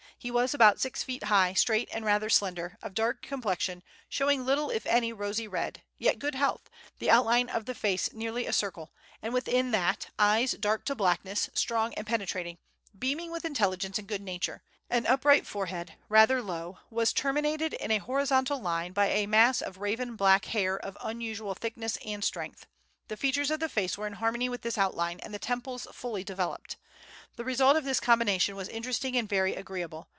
He was about six feet high, straight and rather slender, of dark complexion, showing little if any rosy red, yet good health, the outline of the face nearly a circle, and within that, eyes dark to blackness, strong and penetrating, beaming with intelligence and good nature; an upright forehead, rather low, was terminated in a horizontal line by a mass of raven black hair of unusual thickness and strength; the features of the face were in harmony with this outline, and the temples fully developed. The result of this combination was interesting and very agreeable.